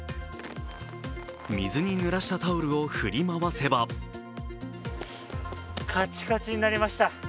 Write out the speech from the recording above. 水にぬらしたタオルを振り回せばカチカチになりました。